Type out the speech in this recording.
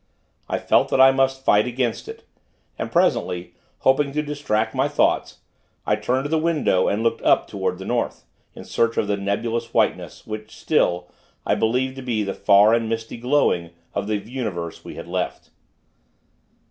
I felt that I must fight against it; and, presently, hoping to distract my thoughts, I turned to the window, and looked up toward the North, in search of the nebulous whiteness, which, still, I believed to be the far and misty glowing of the universe we had left.